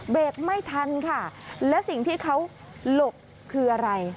ไม่ทันค่ะและสิ่งที่เขาหลบคืออะไร